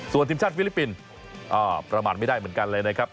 ส่วนทีมชาติฟิลิปปินส์ประมาทไม่ได้เหมือนกันเลยนะครับ